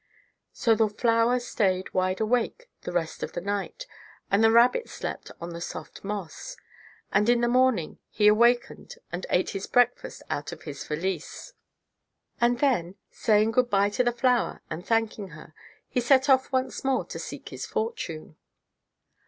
So the flower stayed wide awake the rest of the night, and the rabbit slept on the soft moss, and in the morning he awakened and ate his breakfast out of his valise, and then, saying good by to the flower and thanking her, he set off once more to seek his fortune.